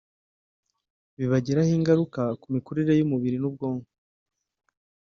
bibagiraho ingaruka mu mikurire y’umubiri n’ubwonko